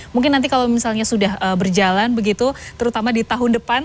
mungkin nanti kalau sudah berjalan terutama di tahun depan